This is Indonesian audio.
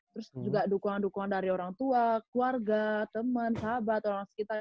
terus juga dukungan dukungan dari orang tua keluarga teman sahabat orang sekitar